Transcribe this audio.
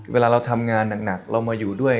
เวลาเราทำงานหนักเรามาอยู่ด้วย